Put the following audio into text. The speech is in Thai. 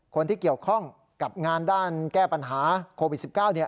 คนที่เกี่ยวข้องกับงานด้านแก้ปัญหาโควิด๑๙